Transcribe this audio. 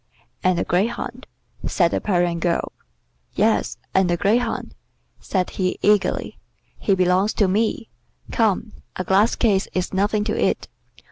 "And the greyhound," said the Parian girl. "Yes, and the greyhound," said he eagerly. "He belongs to me. Come, a glass case is nothing to it.